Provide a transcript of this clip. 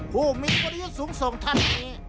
ผู้มีพุธยุทธส่งถนนี้